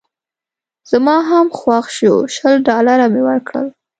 زما هم خوښ شو شل ډالره مې ورکړل.